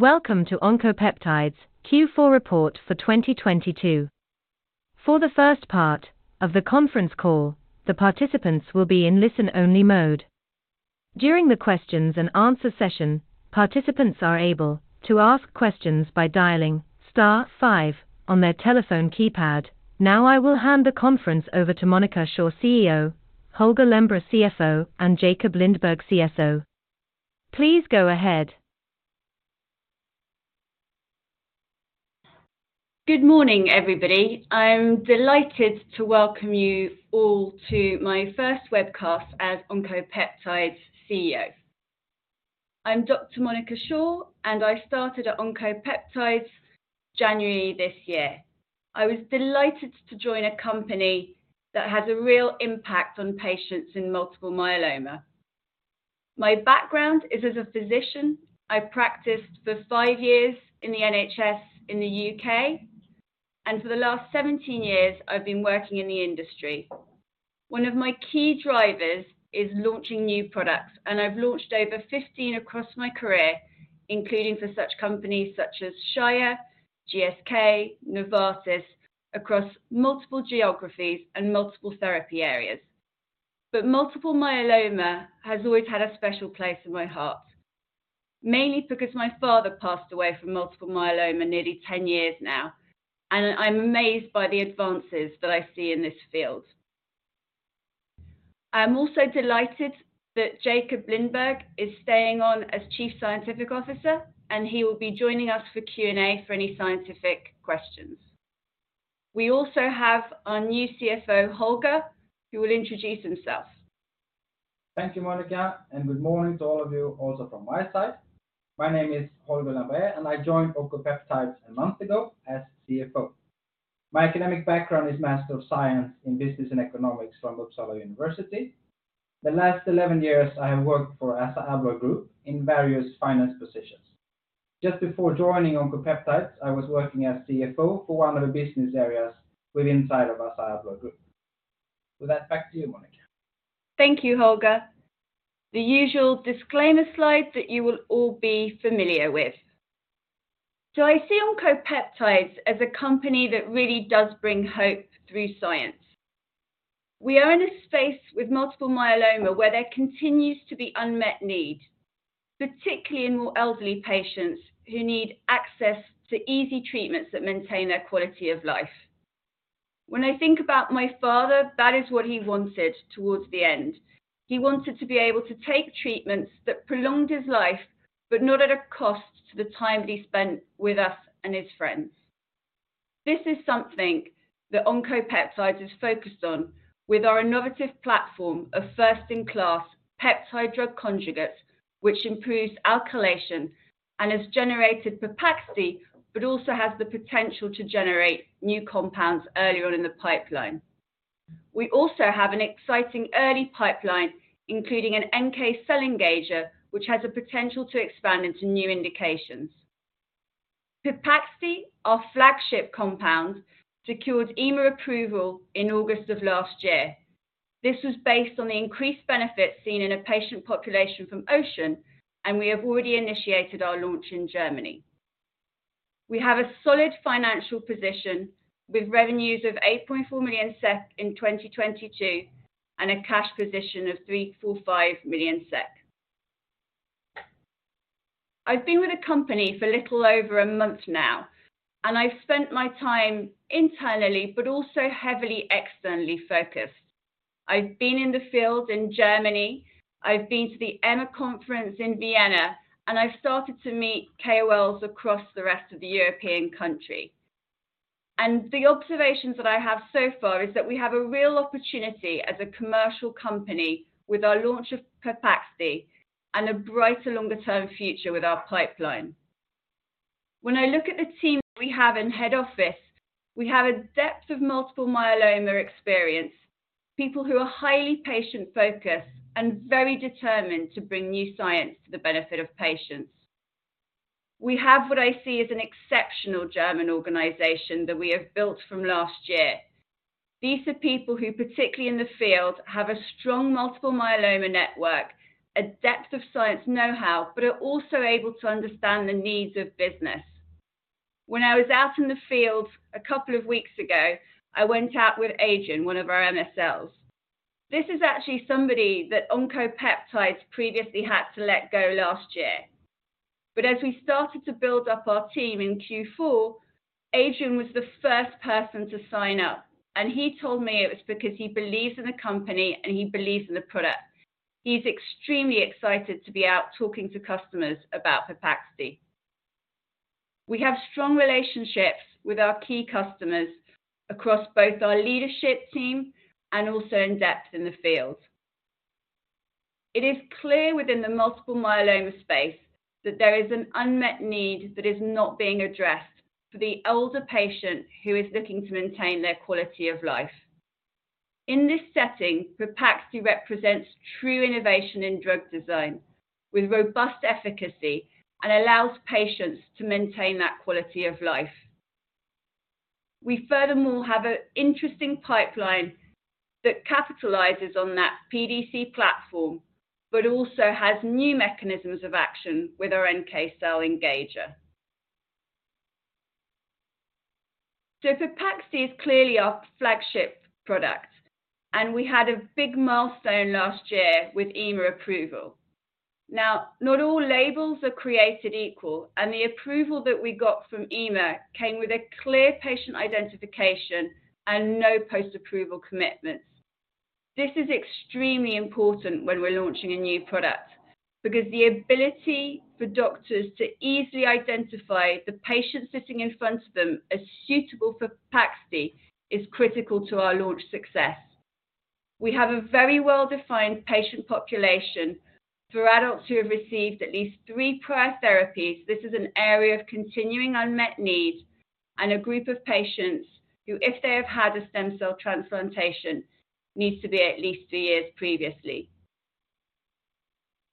Welcome to Oncopeptides Q4 report for 2022. For the first part of the conference call, the participants will be in listen-only mode. During the questions and answer session, participants are able to ask questions by dialing star five on their telephone keypad. I will hand the conference over to Monica Shaw, CEO, Holger Lembrer, CFO, and Jakob Lindberg, CSO. Please go ahead. Good morning, everybody. I'm delighted to welcome you all to my first webcast as Oncopeptides CEO. I'm Dr. Monica Shaw. I started at Oncopeptides January this year. I was delighted to join a company that has a real impact on patients in multiple myeloma. My background is as a physician. I practiced for five years in the NHS in the U.K. For the last 17 years, I've been working in the industry. One of my key drivers is launching new products. I've launched over 15 across my career, including for such companies such as Shire, GSK, Novartis, across multiple geographies and multiple therapy areas. Multiple myeloma has always had a special place in my heart, mainly because my father passed away from multiple myeloma nearly 10 years now. I'm amazed by the advances that I see in this field. I'm also delighted that Jakob Lindberg is staying on as Chief Scientific Officer, and he will be joining us for Q&A for any scientific questions. We also have our new CFO, Holger, who will introduce himself. Thank you, Monica. Good morning to all of you also from my side. My name is Holger Lembrer. I joined Oncopeptides a month ago as CFO. My academic background is Master of Science in Business and Economics from Uppsala University. The last 11 years, I have worked for ASSA ABLOY Group in various finance positions. Just before joining Oncopeptides, I was working as CFO for one of the business areas with inside of ASSA ABLOY Group. With that, back to you, Monica. Thank you, Holger. The usual disclaimer slide that you will all be familiar with. I see Oncopeptides as a company that really does bring hope through science. We are in a space with multiple myeloma where there continues to be unmet need, particularly in more elderly patients who need access to easy treatments that maintain their quality of life. When I think about my father, that is what he wanted towards the end. He wanted to be able to take treatments that prolonged his life, but not at a cost to the time that he spent with us and his friends. This is something that Oncopeptides is focused on with our innovative platform of first-in-class peptide-drug conjugates, which improves alkylation and has generated Pepaxti, but also has the potential to generate new compounds earlier in the pipeline. We also have an exciting early pipeline, including an NK cell engager, which has a potential to expand into new indications. Pepaxti, our flagship compound, secured EMA approval in August of last year. This was based on the increased benefits senen i a patient population from OCEAN, and we have already initiated our launch in Germany. We have a solid financial position with revenues of 8.4 million SEK in 2022 and a cash position of 345 million SEK. I've been with the company for a little over a month now, and I've spent my time internally but also heavily externally focused. I've been in the field in Germany, I've been to the EMA conference in Vienna, and I've started to meet KOLs across the rest of the European country. The observations that I have so far is that we have a real opportunity as a commercial company with our launch of Pepaxti and a brighter longer-term future with our pipeline. When I look at the team we have in head office, we have a depth of multiple myeloma experience, people who are highly patient-focused and very determined to bring new science to the benefit of patients. We have what I see as an exceptional German organization that we have built from last year. These are people who, particularly in the field, have a strong multiple myeloma network, a depth of science know-how, but are also able to understand the needs of business. When I was out in the field a couple of weeks ago, I went out with Adrian, one of our MSLs. This is actually somebody that Oncopeptides previously had to let go last year. As we started to build up our team in Q4, Adrian was the first person to sign up, and he told me it was because he believes in the company and he believes in the product. He is extremely excited to be out talking to customers about Pepaxti. We have strong relationships with our key customers across both our leadership team and also in depth in the field. It is clear within the multiple myeloma space that there is an unmet need that is not being addressed for the older patient who is looking to maintain their quality of life. In this setting, Pepaxti represents true innovation in drug design with robust efficacy and allows patients to maintain that quality of life. We furthermore have an interesting pipeline that capitalizes on that PDC platform, but also has new mechanisms of action with our NK cell engager. Pepaxti is clearly our flagship product, and we had a big milestone last year with EMA approval. Not all labels are created equal, and the approval that we got from EMA came with a clear patient identification and no post-approval commitments. This is extremely important when we're launching a new product because the ability for doctors to easily identify the patient sitting in front of them as suitable for Pepaxti is critical to our launch success. We have a very well-defined patient population for adults who have received at least three prior therapies. This is an area of continuing unmet need and a group of patients who, if they have had a stem cell transplantation, needs to be at least three years previously.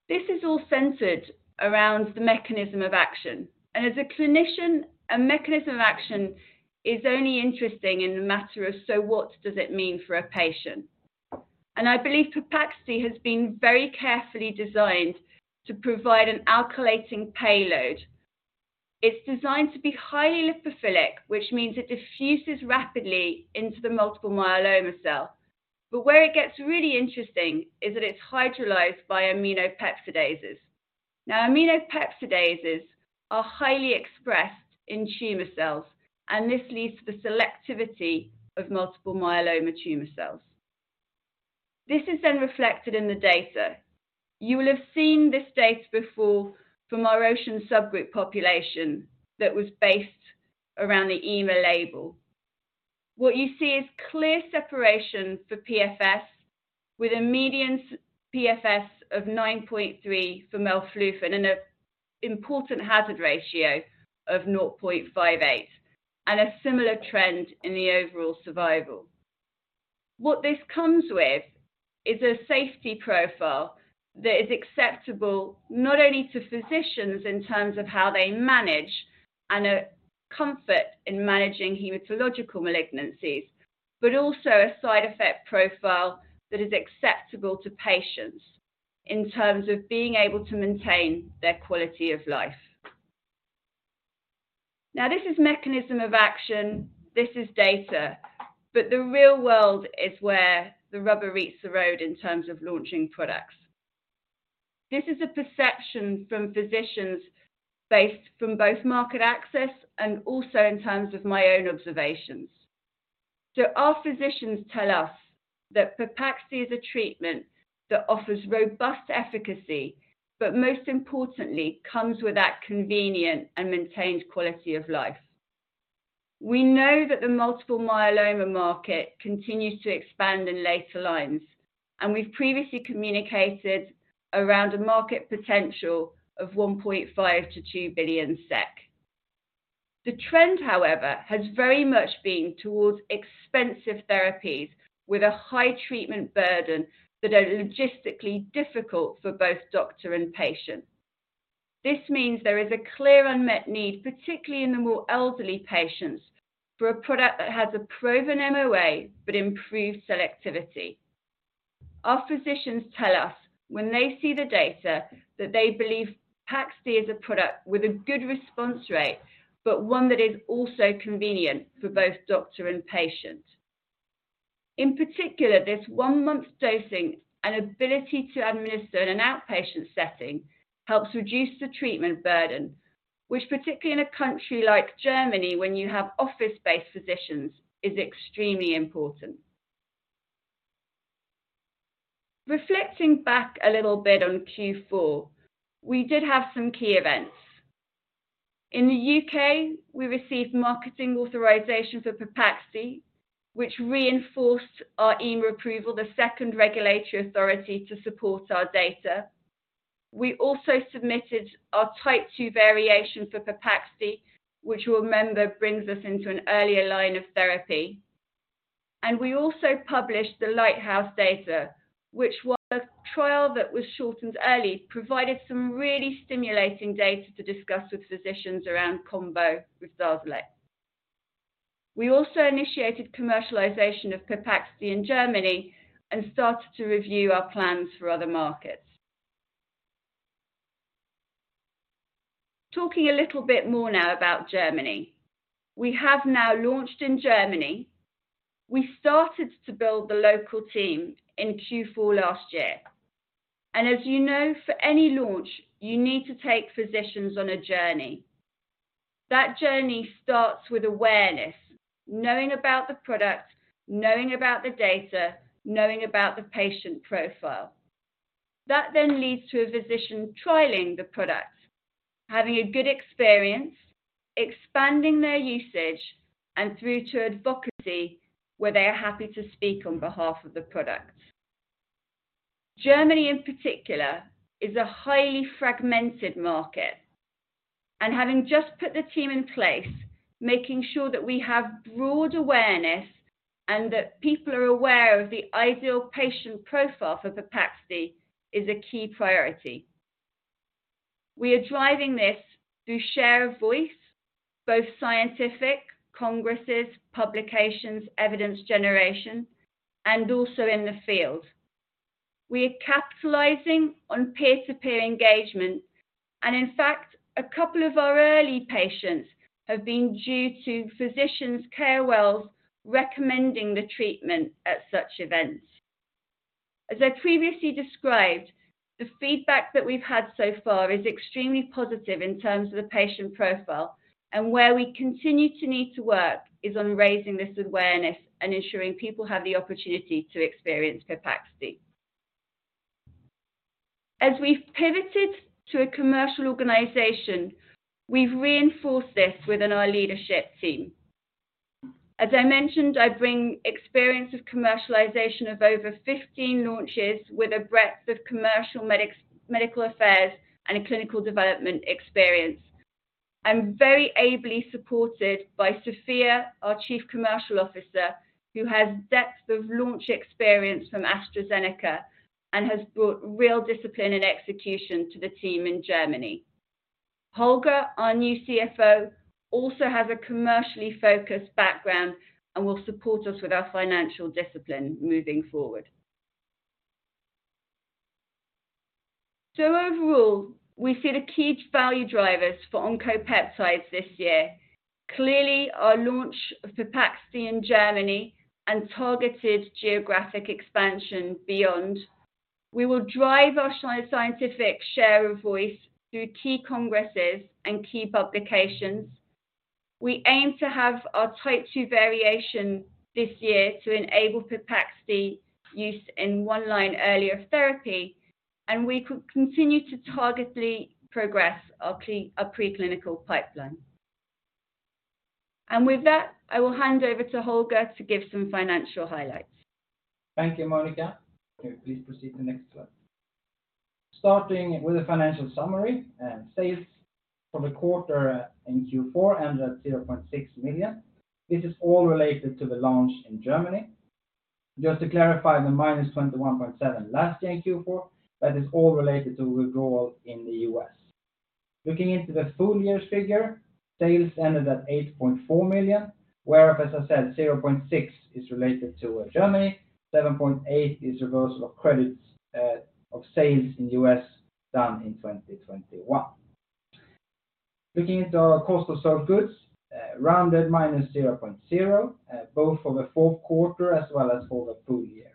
This is all centered around the mechanism of action. As a clinician, a mechanism of action is only interesting in the matter of so what does it mean for a patient. I believe Pepaxti has been very carefully designed to provide an alkylating payload. It's designed to be highly lipophilic, which means it diffuses rapidly into the multiple myeloma cell. Where it gets really interesting is that it's hydrolyzed by aminopeptidases. Aminopeptidases are highly expressed in tumor cells, and this leads to the selectivity of multiple myeloma tumor cells. This is then reflected in the data. You will have seen this data before from our OCEAN subgroup population that was based around the EMA label. What you see is clear separation for PFS with a median PFS of 9.3 for melphalan and an important hazard ratio of 0.58 and a similar trend in the overall survival. What this comes with is a safety profile that is acceptable not only to physicians in terms of how they manage and are comfort in managing hematological malignancies, but also a side effect profile that is acceptable to patients in terms of being able to maintain their quality of life. This is mechanism of action. This is data. The real world is where the rubber meets the road in terms of launching products. This is a perception from physicians based from both market access and also in terms of my own observations. Our physicians tell us that Pepaxti is a treatment that offers robust efficacy, but most importantly, comes with that convenient and maintained quality of life. We know that the multiple myeloma market continues to expand in later lines, and we've previously communicated around a market potential of 1.5 billion-2 billion SEK. The trend, however, has very much been towards expensive therapies with a high treatment burden that are logistically difficult for both doctor and patient. This means there is a clear unmet need, particularly in the more elderly patients, for a product that has a proven MOA but improved selectivity. Our physicians tell us when they see the data that they believe Pepaxti is a product with a good response rate, but one that is also convenient for both doctor and patient. In particular, this one-month dosing and ability to administer in an outpatient setting helps reduce the treatment burden, which particularly in a country like Germany, when you have office-based physicians, is extremely important. Reflecting back a little bit on Q4, we did have some key events. In the U.K., we received marketing authorization for Pepaxti, which reinforced our EMA approval, the second regulatory authority to support our data. We also submitted our Type II variation for Pepaxti, which you'll remember brings us into an earlier line of therapy. We also published the LIGHTHOUSE data, which was a trial that was shortened early, provided some really stimulating data to discuss with physicians around combo with Darzalex. We also initiated commercialization of Pepaxti in Germany and started to review our plans for other markets. Talking a little bit more now about Germany. We have now launched in Germany. We started to build the local team in Q4 last year. As you know, for any launch, you need to take physicians on a journey. That journey starts with awareness, knowing about the product, knowing about the data, knowing about the patient profile. That leads to a physician trialing the product, having a good experience, expanding their usage and through to advocacy where they are happy to speak on behalf of the product. Germany in particular is a highly fragmented market. Having just put the team in place, making sure that we have broad awareness and that people are aware of the ideal patient profile for Pepaxti is a key priority. We are driving this through share of voice, both scientific congresses, publications, evidence generation, and also in the field. We are capitalizing on peer-to-peer engagement, and in fact, a couple of our early patients have been due to physicians, KOLs recommending the treatment at such events. As I previously described, the feedback that we've had so far is extremely positive in terms of the patient profile. Where we continue to need to work is on raising this awareness and ensuring people have the opportunity to experience Pepaxti. As we've pivoted to a commercial organization, we've reinforced this within our leadership team. As I mentioned, I bring experience of commercialization of over 15 launches with a breadth of commercial medical affairs and a clinical development experience. I'm very ably supported by Sofia, our chief commercial officer, who has depth of launch experience from AstraZeneca and has brought real discipline and execution to the team in Germany. Holger, our new CFO, also has a commercially focused background and will support us with our financial discipline moving forward. Overall, we see the key value drivers for Oncopeptides this year. Clearly, our launch of Pepaxti in Germany and targeted geographic expansion beyond. We will drive our scientific share of voice through key congresses and key publications. We aim to have our Type II variation this year to enable Pepaxti use in one line earlier therapy, and we could continue to targetedly progress our preclinical pipeline. With that, I will hand over to Holger to give some financial highlights. Thank you, Monica. Can you please proceed to the next slide. Starting with the financial summary and sales for the quarter in Q4 ended at 0.6 million. This is all related to the launch in Germany. Just to clarify, the -21.7 last year in Q4, that is all related to withdrawal in the U.S. Looking into the full year's figure, sales ended at 8.4 million, where, as I said, 0.6 is related to Germany, 7.8 is reversal of credits of sales in the U.S. done in 2021. Looking at our cost of sold goods, rounded -0.0, both for the fourth quarter as well as for the full year.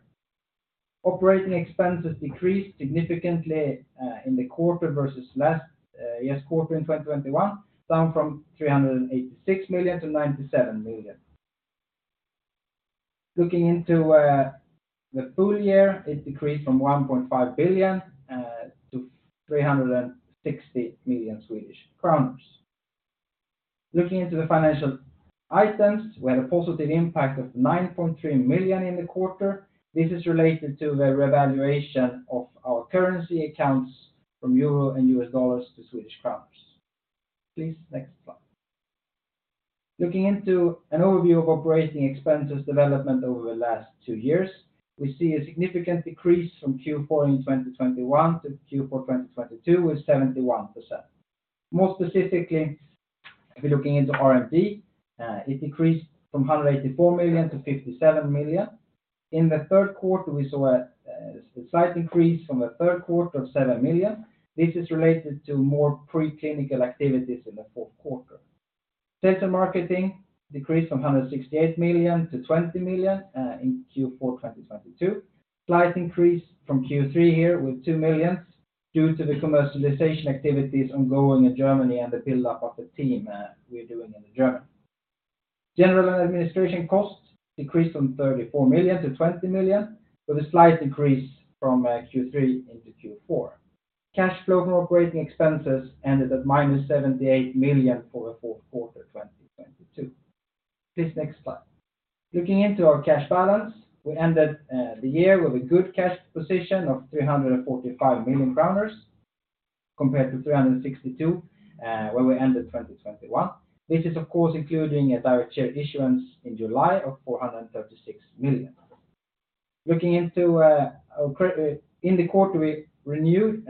Operating expenses decreased significantly in the quarter versus last year's quarter in 2021, down from 386 million to 97 million. Looking into the full year, it decreased from 1.5 billion to 360 million Swedish crowns. Looking into the financial items, we had a positive impact of 9.3 million in the quarter. This is related to the revaluation of our currency accounts from euro and US dollars to Swedish crowns. Please, next slide. Looking into an overview of operating expenses development over the last two years, we see a significant decrease from Q4 in 2021 to Q4 2022 with 71%. More specifically, if you're looking into R&D, it decreased from 184 million to 57 million. In the third quarter, we saw a slight increase from the third quarter of 7 million. This is related to more preclinical activities in the fourth quarter. Sales and marketing decreased from 168 million to 20 million in Q4 2022. Slight increase from Q3 here with 2 million due to the commercialization activities ongoing in Germany and the build-up of the team we're doing in Germany. General and administration costs decreased from 34 million to 20 million, with a slight decrease from Q3 into Q4. Cash flow from operating expenses ended at - 78 million for the fourth quarter 2022. Please, next slide. Looking into our cash balance, we ended the year with a good cash position of 345 million compared to 362 million when we ended 2021. This is of course including a directed share issuance in July of 436 million. Looking into, in the quarter we renewed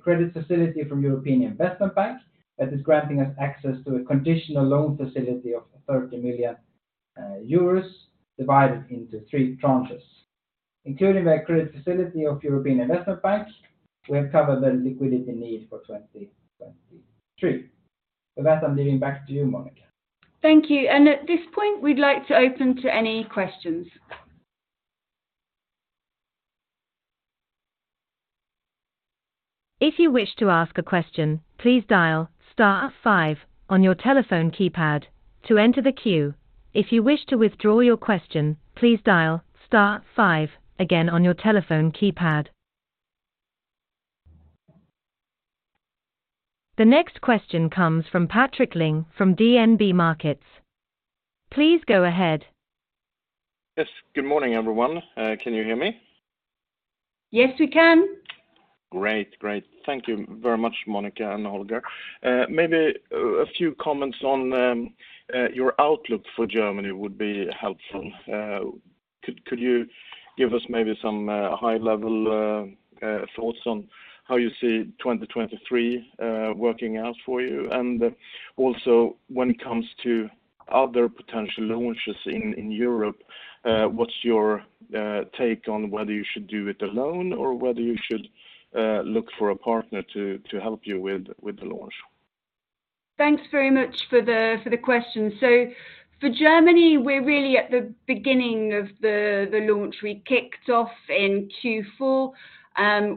credit facility from European Investment Bank that is granting us access to a conditional loan facility of 30 million euros divided into three tranches. Including the credit facility of European Investment Bank, we have covered the liquidity need for 2023. With that, I'm leaving back to you, Monica. Thank you. At this point, we'd like to open to any questions. If you wish to ask a question, please dial star five on your telephone keypad to enter the queue. If you wish to withdraw your question, please dial star five again on your telephone keypad. The next question comes from Patrik Ling from DNB Markets. Please go ahead. Yes. Good morning, everyone. Can you hear me? Yes, we can. Great. Great. Thank you very much, Monica and Holger. Maybe a few comments on your outlook for Germany would be helpful. Could you give us maybe some high-level thoughts on how you see 2023 working out for you? And also when it comes to other potential launches in Europe, what's your take on whether you should do it alone or whether you should look for a partner to help you with the launch? Thanks very much for the question. For Germany, we're really at the beginning of the launch. We kicked off in Q4.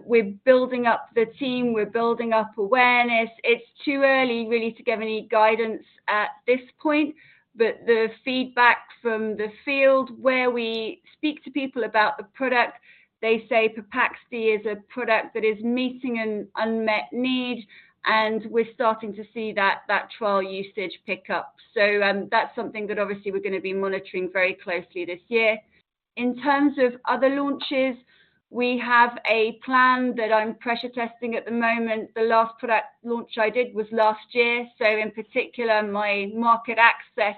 We're building up the team. We're building up awareness. It's too early, really, to give any guidance at this point. The feedback from the field where we speak to people about the product, they say Pepaxti is a product that is meeting an unmet need, and we're starting to see that trial usage pick up. That's something that obviously we're gonna be monitoring very closely this year. In terms of other launches, we have a plan that I'm pressure testing at the moment. The last product launch I did was last year. In particular, my market access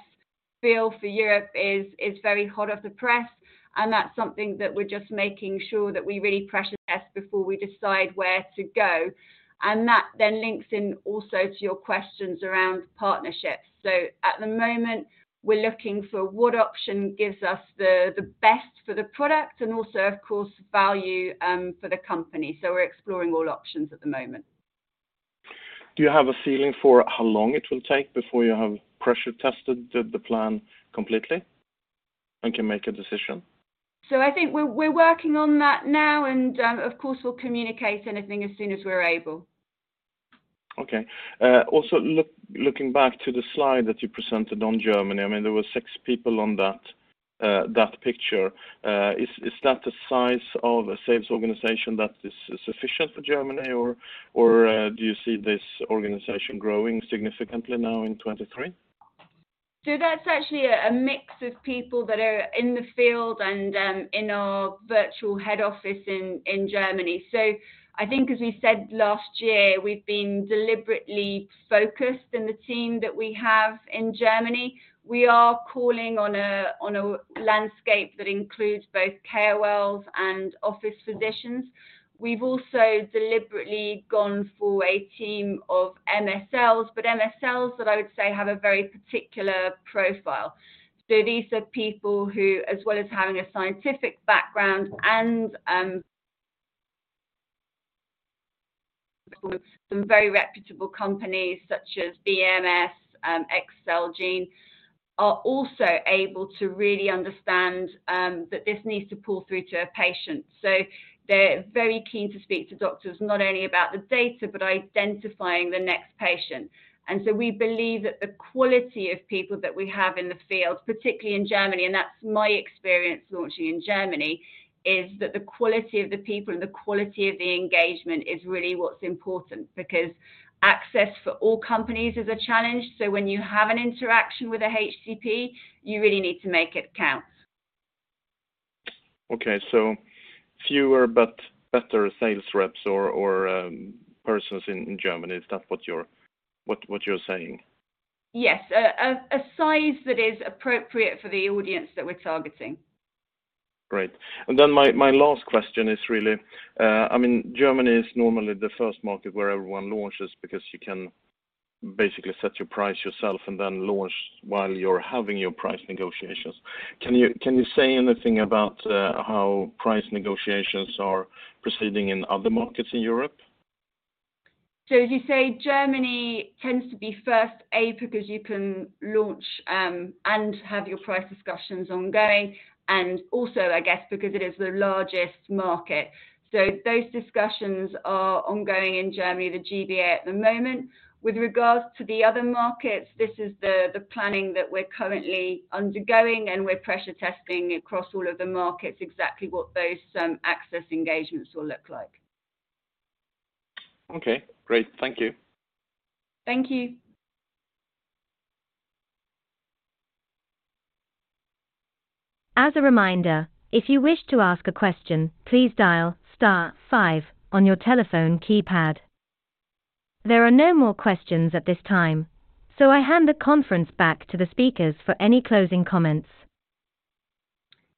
bill for Europe is very hot off the press. That's something that we're just making sure that we really pressure test before we decide where to go. That then links in also to your questions around partnerships. At the moment, we're looking for what option gives us the best for the product and also, of course, value for the company. We're exploring all options at the moment. Do you have a feeling for how long it will take before you have pressure tested the plan completely and can make a decision? I think we're working on that now, and, of course we'll communicate anything as soon as we're able. Okay. Also looking back to the slide that you presented on Germany, I mean, there were six people on that picture. Is that the size of a sales organization that is sufficient for Germany, or do you see this organization growing significantly now in 2023? That's actually a mix of people that are in the field and in our virtual head office in Germany. I think, as we said last year, we've been deliberately focused in the team that we have in Germany. We are calling on a landscape that includes both KOLs and office physicians. We've also deliberately gone for a team of MSLs, but MSLs that I would say have a very particular profile. These are people who, as well as having a scientific background and some very reputable companies such as BMS, Celgene, are also able to really understand that this needs to pull through to a patient. They're very keen to speak to doctors, not only about the data but identifying the next patient. We believe that the quality of people that we have in the field, particularly in Germany, and that's my experience launching in Germany, is that the quality of the people and the quality of the engagement is really what's important because access for all companies is a challenge, so when you have an interaction with a HCP, you really need to make it count. Okay. fewer but better sales reps or persons in Germany. Is that what you're saying? Yes. A size that is appropriate for the audience that we're targeting. Great. My last question is really, I mean, Germany is normally the first market where everyone launches because you can basically set your price yourself and then launch while you're having your price negotiations. Can you say anything about how price negotiations are proceeding in other markets in Europe? As you say, Germany tends to be first, A, because you can launch and have your price discussions ongoing and also, I guess, because it is the largest market. Those discussions are ongoing in Germany, the G-BA at the moment. With regards to the other markets, this is the planning that we're currently undergoing and we're pressure testing across all of the markets exactly what those access engagements will look like. Okay. Great. Thank you. Thank you. As a reminder, if you wish to ask a question, please dial star five on your telephone keypad. There are no more questions at this time. I hand the conference back to the speakers for any closing comments.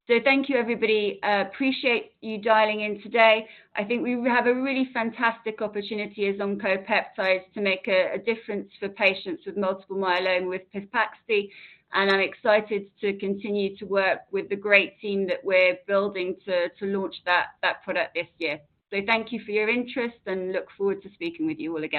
Thank you, everybody. Appreciate you dialing in today. I think we have a really fantastic opportunity as Oncopeptides to make a difference for patients with multiple myeloma with Pepaxti, and I'm excited to continue to work with the great team that we're building to launch that product this year. Thank you for your interest, and look forward to speaking with you all again.